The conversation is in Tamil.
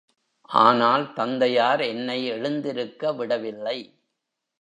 ஆனால் தந்தையார் என்னை எழுந்திருக்க விடவில்லை.